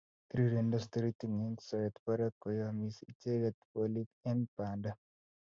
Tirirendos taritik eng soet barak koyomisi icheget bolik eng banda